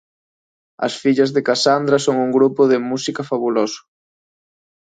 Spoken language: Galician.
As Fillas de Cassandra son un grupo de música fabuloso!